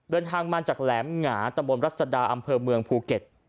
เดินทางมาจากแหลมหงาตะบนรัศดาอำเภอเมืองภูเก็ต